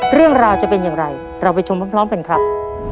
เรื่องราวจะเป็นอย่างไรเราไปชมพร้อมกันครับ